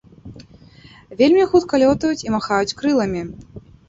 Вельмі хутка лётаюць і махаюць крыламі.